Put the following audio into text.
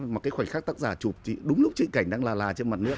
mà cái khoảnh khắc tác giả chụp thì đúng lúc trịnh cảnh đang là là trên mặt nước